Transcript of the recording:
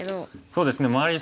そうですね周り